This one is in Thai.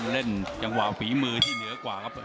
เล่นจังหวะฝีมือที่เหนือกว่าครับ